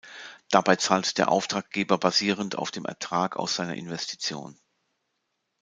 Dabei zahlt der Auftraggeber basierend auf dem Ertrag aus seiner Investition.